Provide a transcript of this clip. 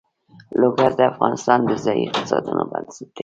لوگر د افغانستان د ځایي اقتصادونو بنسټ دی.